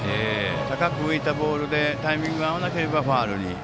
高く浮いたボールでタイミングが合わなければファウルに。